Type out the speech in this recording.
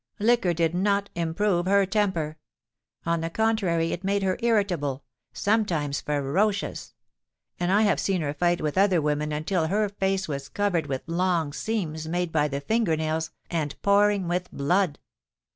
Liquor did not improve her temper: on the contrary it made her irritable—sometimes ferocious; and I have seen her fight with other women until her face was covered with long seams made by the finger nails, and pouring with blood.